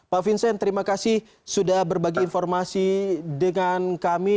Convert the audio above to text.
pak vincent terima kasih sudah berbagi informasi dengan kami